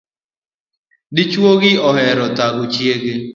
Dichuo ni ohero thago chiege